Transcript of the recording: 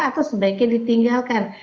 atau sebaiknya ditinggalkan